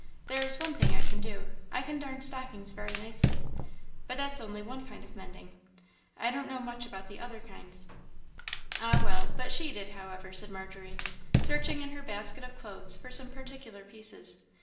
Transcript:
"There is one thing I can do I can darn stockings very nicely: but that's only one kind of mending. I don't know much about the other kinds." "Ah, well, but she did, however," said Margery, searching in her basket of clothes for some particular pieces.